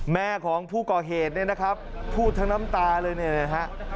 แม่ของผู้ก่อเหตุเนี่ยนะครับพูดทั้งน้ำตาเลยเนี่ยนะฮะ